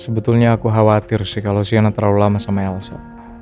sebetulnya aku khawatir sih kalo si ena terlalu lama sama elsa